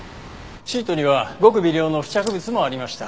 シートにはごく微量の付着物もありました。